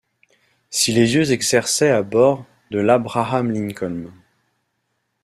si les yeux s’exerçaient à bord de l’Abraham-Lincoln.